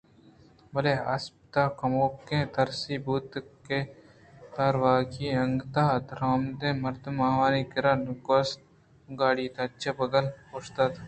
بلئے اسپ کموکیں ترٛاسی بوت اَنت کہ تہاروکی ءَ ناگتءَ درآمدیں مردمے آوانی کِرّا گوٛست ءُگاڑی تاچے ءِ بگل ءَ اوشتات